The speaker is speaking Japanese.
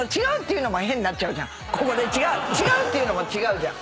ここで違うって言うのも違うじゃん。